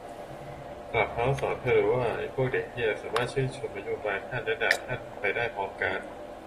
คลับเฮ้าส์สอนให้รูว่า อิพวกเด็กเหี้ยสามารถชื่นชมนโยบายทั่นและด่าท่านไปได้พร้อมกัน